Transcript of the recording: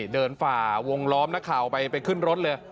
ฝ่าวงล้อมนักข่าวไปขึ้นรถเลย